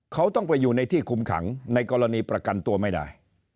เขาต้องไปอยู่ในที่คุมขังในกรณีประกันตัวไม่ได้